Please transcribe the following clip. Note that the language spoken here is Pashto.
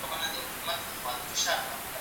زه به سبا د نوي لغتونو يادونه وکړم!!